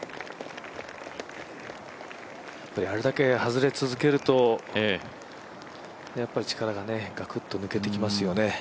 あれだけ外れ続けると、やっぱり力がガクッと抜けてきますよね。